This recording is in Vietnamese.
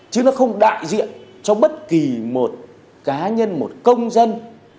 chứ nó không đại diện cho bất kỳ một cá nhân một công dân